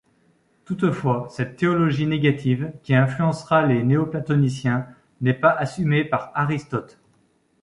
Toutefois, cette théologie négative, qui influencera les néo-platoniciens, n'est pas assumée par Aristote.